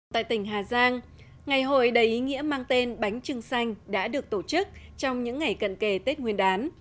tại tỉnh hà giang ngày hội đầy ý nghĩa mang tên bánh trưng xanh đã được tổ chức trong những ngày cận kề tết nguyên đán